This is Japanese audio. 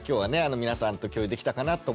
皆さんと共有できたかなと思います。